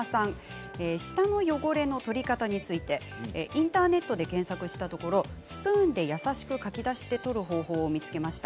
舌の汚れの取り方についてインターネットで検索したところスプーンで優しく、かき出して取る方法を見つけました。